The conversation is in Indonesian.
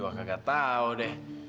gue juga nggak tau deh